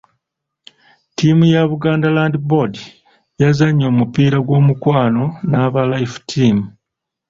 Ttiimu ya Buganda Land Board yazannye omupiira gw'omukwano n'aba Life Team.